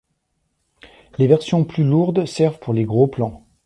Les versions plus lourdes servent pour les gros plans.